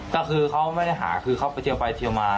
ก็คือเขาไม่ได้หาคือเขาไปเทียวไปเทียวมา